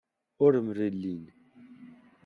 Ur mlellin.